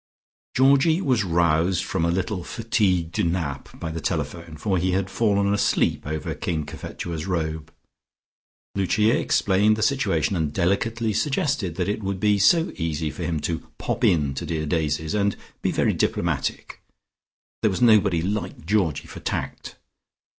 Georgie was roused from a little fatigued nap by the telephone, for he had fallen asleep over King Cophetua's robe. Lucia explained the situation and delicately suggested that it would be so easy for him to "pop in" to dear Daisy's, and be very diplomatic. There was nobody like Georgie for tact.